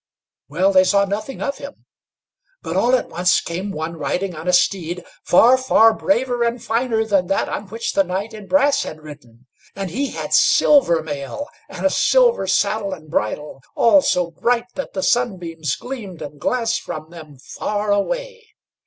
Well, they saw nothing of him; but all at once came one riding on a steed, far, far braver and finer than that on which the knight in brass had ridden, and he had silver mail, and a silver saddle and bridle, all so bright that the sunbeams gleamed and glanced from them far away.